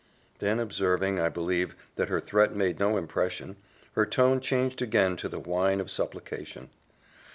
Then observing, I believe, that her threat made no impression, her tone changed again to the whine of supplication.